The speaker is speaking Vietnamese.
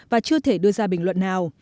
và chưa thể đưa ra bình luận nào